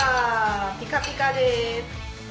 ピカピカです。